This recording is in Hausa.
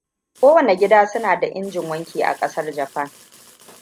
Ko wane gida suna da injin wanki a kasar Japan.